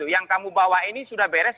yang kamu bawa ini sudah beres